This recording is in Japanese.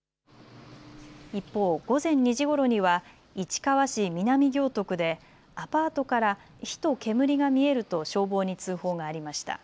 一方、午前２時ごろには市川市南行徳でアパートから火と煙が見えると消防に通報がありました。